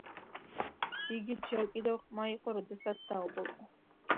იგი ჯერ კიდევ ყრმა იყო, როდესაც დაობლდა.